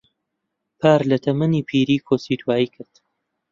پار لە تەمەنی پیری کۆچی دوایی کرد.